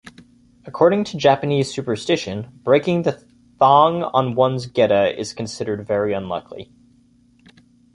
According to Japanese superstition, breaking the thong on one's geta is considered very unlucky.